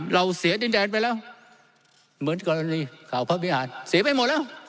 เราเสียดินแดนไปแล้วเหมือนกรณีข่าวพระวิหารเสียไปหมดแล้ว